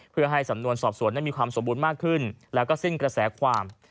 เพื่อให้สำนวนสอบสวนนั้นมีความสมบูรณ์มากขึ้นแล้วก็สิ้นกระแสความ